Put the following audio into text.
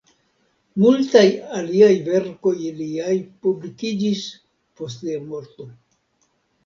Multaj aliaj verkoj liaj publikiĝis post lia morto.